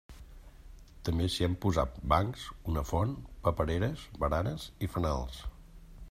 També s'hi han posat bancs, una font, papereres, baranes i fanals.